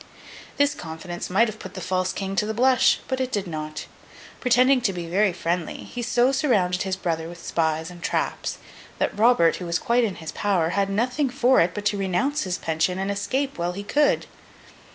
This confidence might have put the false King to the blush, but it did not. Pretending to be very friendly, he so surrounded his brother with spies and traps, that Robert, who was quite in his power, had nothing for it but to renounce his pension and escape while he could.